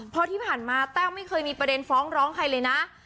เพราะที่ผ่านมาแต้วไม่เคยมีประเด็นฟ้องร้องใครเลยนะ